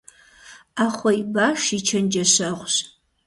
Ӏэхъуэ и баш и чэнджэщэгъущ.